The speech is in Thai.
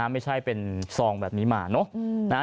ไม่ใช่เป็นซองแบบนี้มาเนอะ